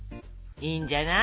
いいんじゃない。